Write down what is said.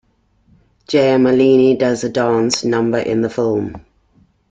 Jayamalini does a dance number in the film.